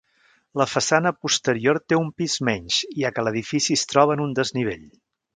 La façana posterior té un pis menys, ja que l'edifici es troba en un desnivell.